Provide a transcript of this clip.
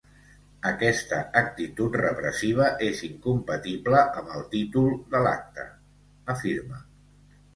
“Aquesta actitud repressiva és incompatible amb el títol de l’acte”, afirma.